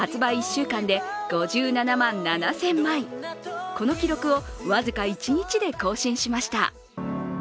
１週間で５７万７０００枚、この記録を僅か一日で更新しました。